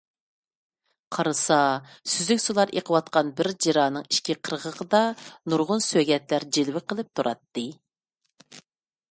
قارىسا، سۈزۈك سۇلار ئېقىۋاتقان بىر جىرانىڭ ئىككى قىرغىقىدا نۇرغۇن سۆگەتلەر جىلۋە قىلىپ تۇراتتى.